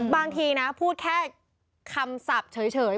บางทีนะพูดแค่คำศัพท์เฉย